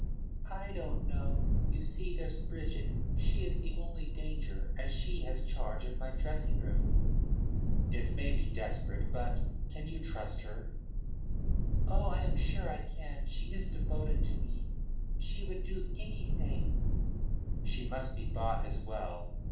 "I don't know. You see, there's Bridget. She is the only danger, as she has charge of my dressing room." "It may be desperate, but Can you trust her?" "Oh, I am sure I can. She is devoted to me; she would do anything " "She must be bought as well.